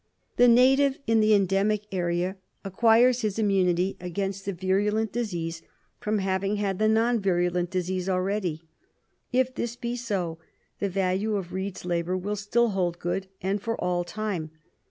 The native in the endemic area acquires his immunity against the virulent disease from having had the non virulent disease already. If this be so the value of Reed's labour will still hold good, and for all time.